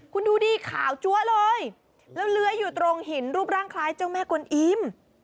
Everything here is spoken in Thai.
คุณดูดิขาวจั๊วเลยแล้วเลื้อยอยู่ตรงหินรูปร่างคล้ายเจ้าแม่กวนอิม